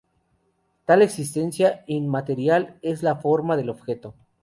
Tal existencia inmaterial es la "forma" del objeto.